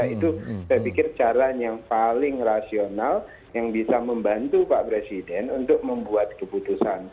itu saya pikir cara yang paling rasional yang bisa membantu pak presiden untuk membuat keputusan